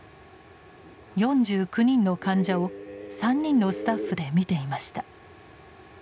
４９人の患者を３人のスタッフでみていました。